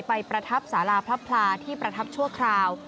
ประทับสาราพระพลาที่ประทับชั่วคราว